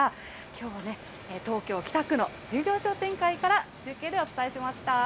きょうは東京・北区の十条商店街から中継でお伝えしました。